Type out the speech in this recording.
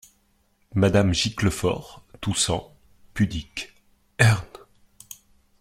Madame Giclefort, toussant, pudique. — Hern !…